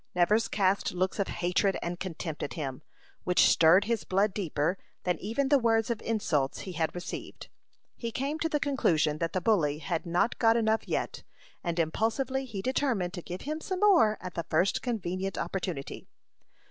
Nevers cast looks of hatred and contempt at him, which stirred his blood deeper than even the words of insults he had received. He came to the conclusion that the bully had not got enough yet, and impulsively he determined to give him some more at the first convenient opportunity.